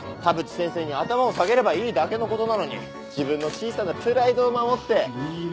田淵先生に頭を下げればいいだけのことなのに自分の小さなプライドを守って。